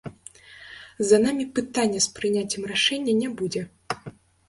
За намі пытання з прыняццем рашэння не будзе.